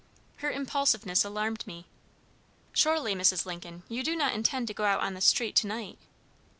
Her impulsiveness alarmed me. "Surely, Mrs. Lincoln, you do not intend to go out on the street to night?"